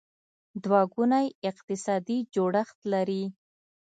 دوه ګونی اقتصادي جوړښت لري.